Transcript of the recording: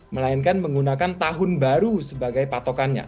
melainkan menggunakan tahun baru sebagai patokannya